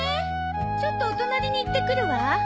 ちょっとお隣に行ってくるわ。